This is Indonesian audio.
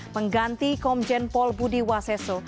mengganti komjen paul budi waseso